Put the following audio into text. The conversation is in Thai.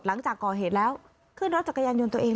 หลังจากก่อเหตุแล้วขึ้นรถจักรยานยนต์ตัวเอง